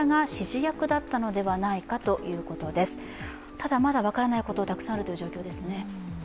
ただ、まだ分からないことたくさんあるという状況ですね。